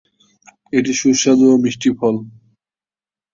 এটি সুস্বাদু ও মিষ্টি ফল।